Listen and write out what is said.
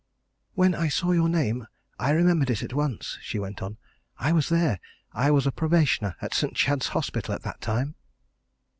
"When I saw your name, I remembered it at once," she went on. "I was there I was a probationer at St. Chad's Hospital at that time."